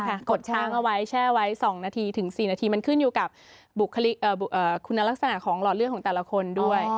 กดช้างเอาไว้แช่ไว้๒นาทีถึง๔นาทีมันขึ้นอยู่กับคุณลักษณะของหลอดเลือดของแต่ละคนด้วย